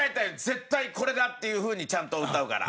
絶対これだっていうふうにちゃんと歌うから。